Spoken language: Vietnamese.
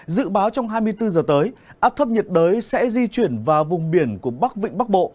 dự báo trong hai mươi bốn giờ tới áp thấp nhiệt đới sẽ di chuyển vào vùng biển của bắc vịnh bắc bộ